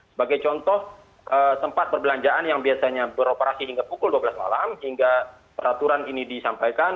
sebagai contoh tempat perbelanjaan yang biasanya beroperasi hingga pukul dua belas malam hingga peraturan ini disampaikan